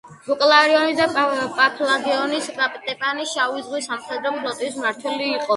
ბუკელარიონის და პაფლაგონიის კატეპანი, შავი ზღვის სამხედრო ფლოტის მმართველი იყო.